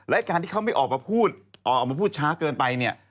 และการที่เขาไม่ออกมาพูดออกมาพูดช้าเกินไปเนี่ย